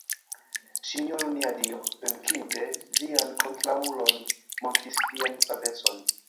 Sinjoro nia Dio, venkinte vian kontraŭulon, montris vian pravecon.